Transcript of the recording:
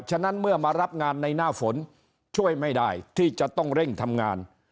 ฉะนั้นเมื่อมารับงานในหน้าฝนช่วยไม่ได้ที่จะต้องเร่งทำงาน